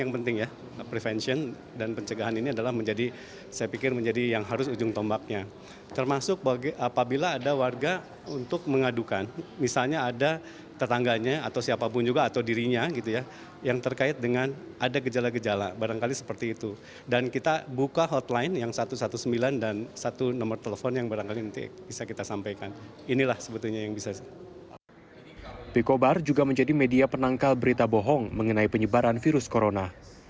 pikobar juga menjadi media penangkal berita bohong mengenai penyebaran virus corona